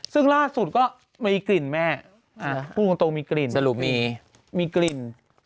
ซึ่งล่าสุดก็มีกลิ่นแม่พูดตรงมีกลิ่นสรุปมีกลิ่น